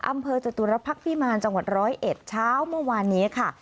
อำเภอจตุรพักษ์พิมารจังหวัดร้อยเอ็ดเช้าเมื่อวานนี้ค่ะ